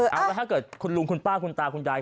เอาแล้วถ้าเกิดคุณลุงคุณป้าคุณตาคุณยาย